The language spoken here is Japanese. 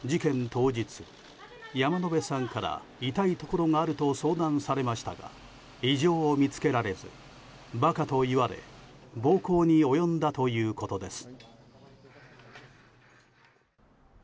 当日山野辺さんから痛いところがあると相談されましたが異常を見つけられず馬鹿と言われ暴行に及んだということです。